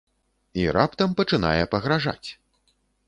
І раптам пачынае пагражаць.